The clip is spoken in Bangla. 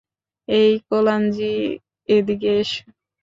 এই কোলাঞ্জি, এদিকে এসো।